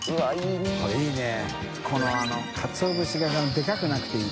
海かつお節がでかくなくていい。